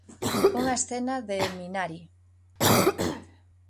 Unha escena de 'Minari'.